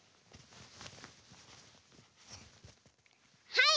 はい！